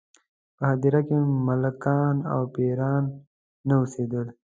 په هدیره کې ملنګان او پېران نه اوسېدل.